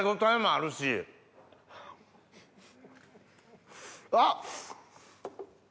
あっ！